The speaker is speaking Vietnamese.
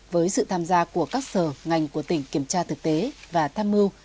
với sự tham gia của các sở ngành của tỉnh kiểm tra thực tế và tham mưu